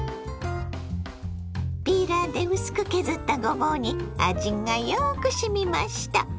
ピーラーで薄く削ったごぼうに味がよくしみました。